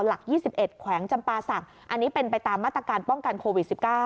หลัก๒๑แขวงจำปาศักดิ์อันนี้เป็นไปตามมาตรการป้องกันโควิด๑๙